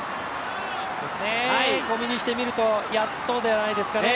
小見にしてみるとやっとではないですかね。